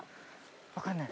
分かんない。